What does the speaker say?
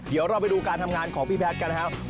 เดี๋ยวเราไปดูการทำงานของพี่แพทย์กันนะครับ